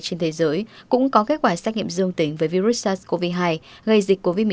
trên thế giới cũng có kết quả xét nghiệm dương tính với virus sars cov hai gây dịch covid một mươi chín